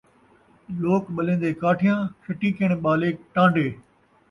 لوک ٻلین٘دے کاٹھیاں ، شٹیکݨ ٻالے ٹان٘ڈے